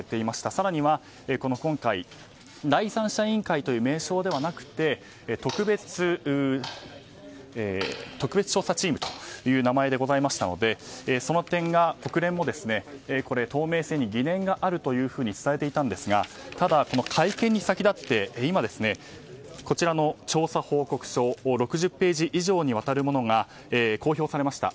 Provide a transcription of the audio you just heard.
更には今回、第三者委員会という名称ではなくて特別調査チームという名前でございましたのでその点が国連も透明性に疑念があるというふうに伝えていたんですが会見に先だって今、こちらの調査報告書６０ページ以上にわたるものが公表されました。